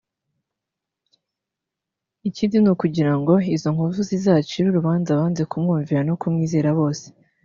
B) Ikindi ni ukugira ngo izo nkovu zizacire urubanza abanze kumwumvira no kumwizera bose